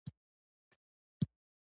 د احمد شاه ابدالي د جلال کیسې.